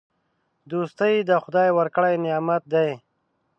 دوستي د خدای ورکړی نعمت دی.